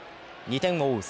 ２点を追う